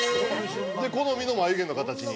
で好みの眉毛の形に。